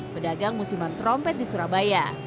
pedagang musiman trompet di surabaya